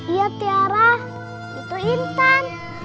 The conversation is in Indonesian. iya tiara itu intan